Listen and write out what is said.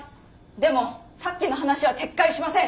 でもさっきの話は撤回しません。